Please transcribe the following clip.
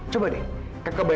coba deh kakak bayangin dulu